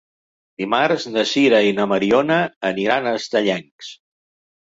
Dimarts na Sira i na Mariona aniran a Estellencs.